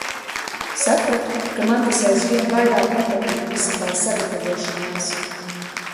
Sapratu, ka man tas aizvien vairāk nepatīk. Visa tā sagatavošanās.